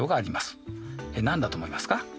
何だと思いますか？